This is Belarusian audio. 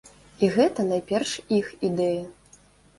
І гэта найперш іх ідэя.